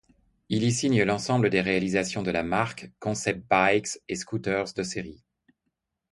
Il y signe l'ensemble des réalisations de la marque, concept-bikes et scooters de série.